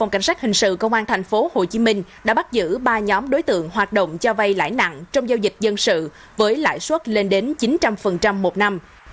cảnh sát hình sự công an thành phố hồ chí minh đã bắt giữ ba nhóm đối tượng hoạt động cho vay lãi nặng trong giao dịch dân sự với lãi suất lên đến chín trăm linh một năm